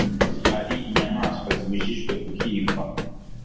Hari inyamaswa zibujijwe guhigwa